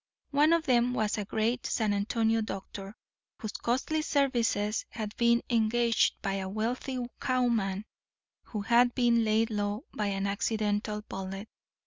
One of them was a great San Antonio doctor, whose costly services had been engaged by a wealthy cowman who had been laid low by an accidental bullet.